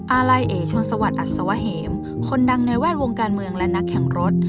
อาลัยเอ๋ชนสวัสดิอัศวะเหมคนดังในแวดวงการเมืองและนักแข่งรถ